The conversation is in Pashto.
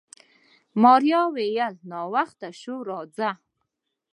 ماريا وويل ناوخته شو راځه.